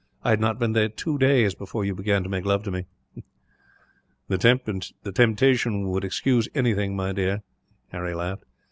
I had not been there two days before you began to make love to me." "The temptation would excuse anything, my dear," Harry laughed.